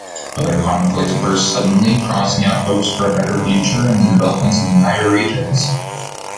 Other conflicts burst suddenly, crossing out hopes for a better future and the development of entire regions.